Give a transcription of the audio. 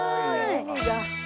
海が。